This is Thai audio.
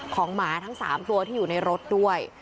หมาทั้ง๓ตัวที่อยู่ในรถด้วย